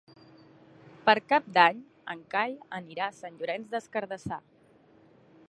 Per Cap d'Any en Cai anirà a Sant Llorenç des Cardassar.